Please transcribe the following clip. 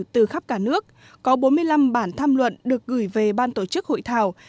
từ khắp cả nước có bốn mươi năm bản tham luận được gửi về ban tổ chức hội thảo